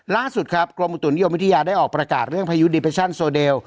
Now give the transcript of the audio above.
ล่าสุดครับกรมอุตุนิยมวิทยาได้ออกประกาศเรื่องพายุดิเปชั่นโซเดล